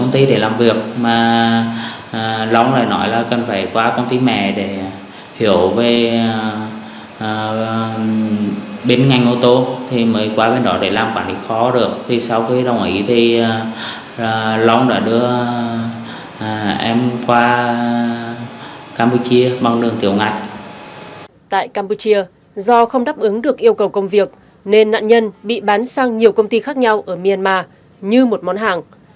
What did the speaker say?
tại campuchia do không đáp ứng được yêu cầu công việc nên nạn nhân bị bán sang nhiều công ty khác nhau ở myanmar như một món hàng